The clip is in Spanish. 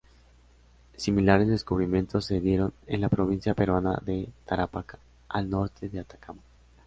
Similares descubrimientos se dieron en la provincia peruana de Tarapacá, al norte de Atacama.